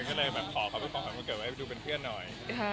ก็เลยแบบขอขอบคุณขวัญวันเกิดไว้ไปดูเป็นเพื่อนหน่อย